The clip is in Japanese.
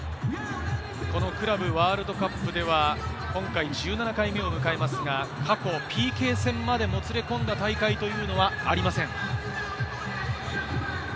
このクラブワールドカップでは、今回１７回目を迎えますが、過去ＰＫ戦までもつれ込んだ大会というのはありません。